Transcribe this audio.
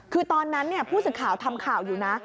คือตอนนั้นผู้สื่อข่าวทำข่าวอยู่นะ